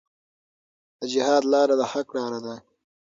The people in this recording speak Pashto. د جهاد لاره د حق لاره ده.